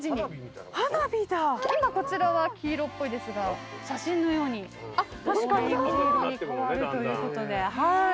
今こちらは黄色っぽいですが写真のようにオレンジ色に変わるということで。